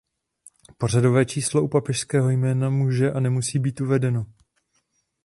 Pořadové číslo u papežského jména může a nemusí být uvedeno.